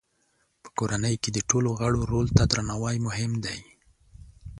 په کورنۍ کې د ټولو غړو رول ته درناوی مهم دی.